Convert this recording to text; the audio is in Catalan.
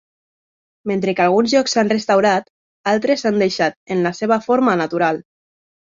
Mentre que alguns llocs s'han restaurat, altres s'han deixat en la seva forma natural.